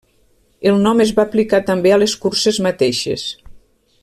El nom es va aplicar també a les curses mateixes.